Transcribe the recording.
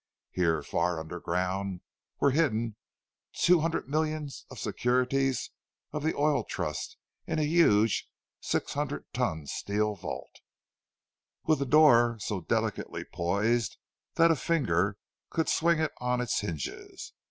Here, far underground, were hidden the two hundred millions of securities of the Oil Trust—in a huge six hundred ton steel vault, with a door so delicately poised that a finger could swing it on its hinges.